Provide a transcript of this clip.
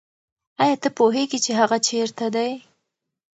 آیا ته پوهېږې چې هغه چېرته دی؟